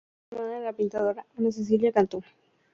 Es hermana de la patinadora Ana Cecilia Cantú.